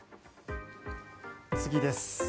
次です。